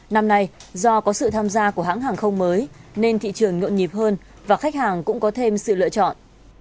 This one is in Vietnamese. năm nay do có sự tham gia của hãng hàng không mới nên thị trường nhộn nhịp hơn và khách hàng cũng có thêm sự lựa chọn